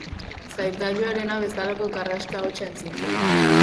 Zartailuarena bezalako karraska-hotsa entzun zen.